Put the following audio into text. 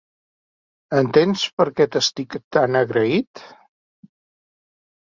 Entens per què t'estic tant agraït?